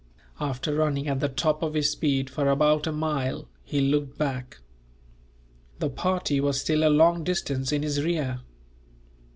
After running at the top of his speed for about a mile, he looked back. The party was still a long distance in his rear.